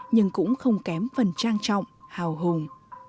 nhưng cũng không kém phần trang trọng hào hùng